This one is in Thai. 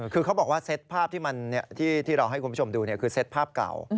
คือเขาบอกว่าเซตภาพที่เราให้คุณผู้ชมดูคือเซตภาพเก่า